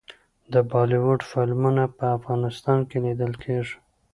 د بالیووډ فلمونه په افغانستان کې لیدل کیږي.